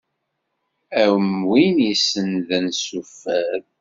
Am win isennden s uffal.